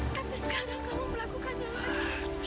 tapi sekarang kamu melakukannya lagi